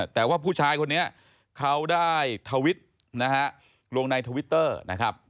แต่ว่าผู้ชายคนนี้เขาได้ทวิตนะฮะลงในทวิตเตอร์นะครับ